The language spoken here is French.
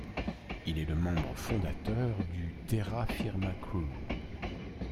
Il est le membre fondateur du Terra Firma Crew.